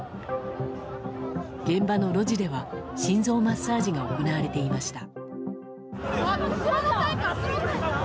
現場の路地では心臓マッサージが行われていました。